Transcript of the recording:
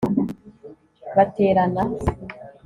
baterana